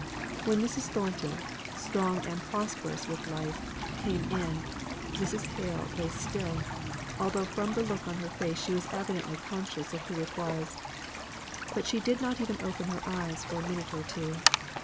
When Mrs. Thornton, strong and prosperous with life, came in, Mrs. Hale lay still, although from the look on her face she was evidently conscious of who it was. But she did not even open her eyes for a minute or two.